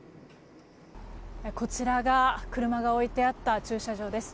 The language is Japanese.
こちらが車が置いてあった駐車場です。